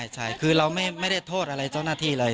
ใช่คือเราไม่ได้โทษอะไรเจ้าหน้าที่เลย